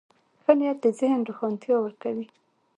ښه نیت د ذهن روښانتیا ورکوي.